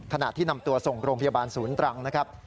ขณะที่นำตัวส่งโรงพยาบาลศูนย์ตรังนะครับ